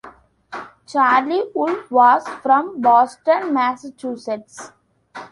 Charlie Wolf was from Boston, Massachusetts.